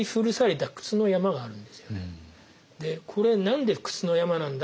でこれ何で靴の山なんだ？